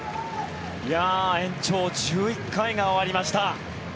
延長１１回が終わりました。